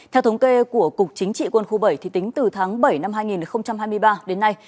theo thống kê của cục chính trị quân khu bảy tính từ tháng bảy năm hai nghìn hai mươi ba đến nay